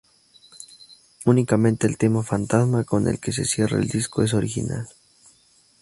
Únicamente el tema "Fantasma", con el que se cierra el disco, es original.